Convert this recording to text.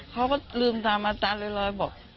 เขาก็ลืมตามอาจารย์ลอยบอก